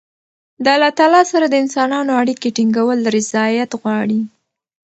د الله تعالی سره د انسانانو اړیکي ټینګول رياضت غواړي.